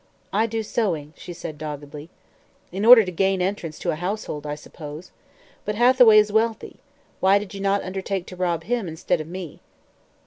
"I do sewing," she said doggedly. "In order to gain entrance to a household, I suppose. But Hathaway is wealthy. Why did you not undertake to rob him, instead of me?"